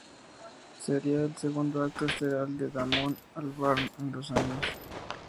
Sería el segundo acto estelar de Damon Albarn en dos años.